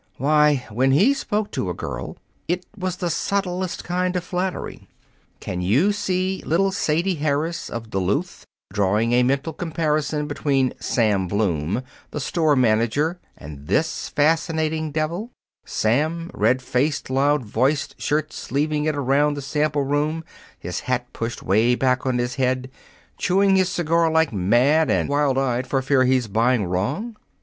Why, when he spoke to a girl, it was the subtlest kind of flattery. Can you see little Sadie Harris, of Duluth, drawing a mental comparison between Sam Bloom, the store manager, and this fascinating devil Sam, red faced, loud voiced, shirt sleeving it around the sample room, his hat pushed 'way back on his head, chewing his cigar like mad, and wild eyed for fear he's buying wrong?